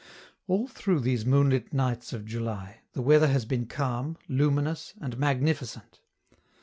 All through these moonlit nights of July, the weather has been calm, luminous, and magnificent.